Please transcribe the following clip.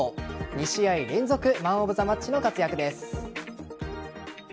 ２試合連続マン・オブ・ザ・マッチの活躍です。